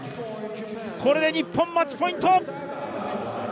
これで日本マッチポイント！